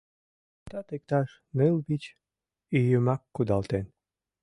Товатат иктаж ныл-вич ийымак кудалтен.